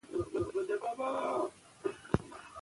تاسو د اصفهان له فتحې څخه د عبرت درس واخلئ.